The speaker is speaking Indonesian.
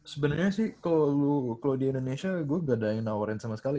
sebenernya sih kalo di indonesia gua ga ada yang nawarin sama sekali